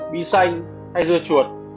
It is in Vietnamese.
bí xanh hay dưa chuột